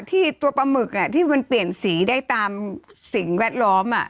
ที่ตัวปลาหมึกที่มันเปลี่ยนสีได้ตามสิ่งแวดล้อม